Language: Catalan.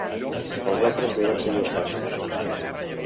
Els altres li van seguir els passos.